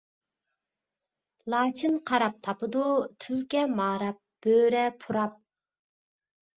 لاچىن قاراپ تاپىدۇ، تۈلكە ماراپ، بۆرە پۇراپ.